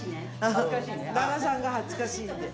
旦那さんが恥ずかしいんです。